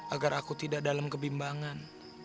agar aku tidak dalam kebimbangan